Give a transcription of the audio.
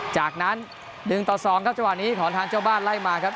จากนั้น๑ต่อ๒ครับจังหวะนี้ของทางเจ้าบ้านไล่มาครับ